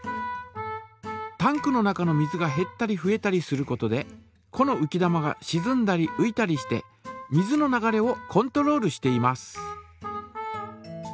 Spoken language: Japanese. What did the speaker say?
タンクの中の水がへったりふえたりすることでこのうき玉がしずんだりういたりして水の流れをコントロールしています。